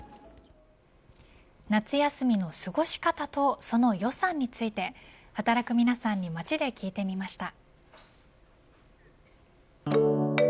夏休みの過ごし方とその予算について働く皆さんに街で聞いてみました。